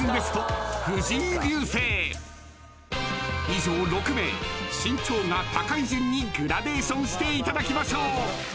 ［以上６名身長が高い順にグラデーションしていただきましょう］